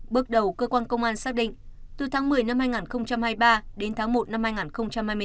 bước đầu cơ quan công an xác định từ tháng một mươi năm hai nghìn hai mươi ba đến tháng một năm hai nghìn hai mươi bốn